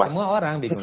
semua orang bingung